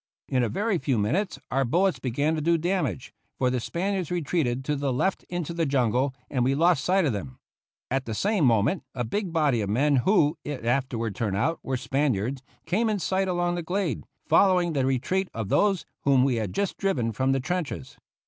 In a very few minutes our bullets began to do damage, for the Spaniards retreated to the left into the jungle, and we lost sight of them. At the same moment a big body of men who, it afterward turned out, were Spaniards, came in sight along the glade, following the retreat of those whom we had just driven from the trenches.